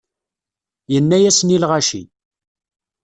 Yenna-yasen i lɣaci.